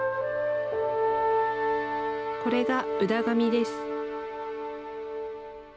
これが宇陀紙です。